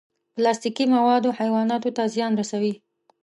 پلاستيکي مواد حیواناتو ته زیان رسوي.